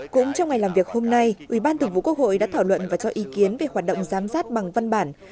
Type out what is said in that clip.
cũng trong ngày làm việc hôm nay ubnd đã thảo luận và cho ý kiến về hoạt động giám sát bằng văn bản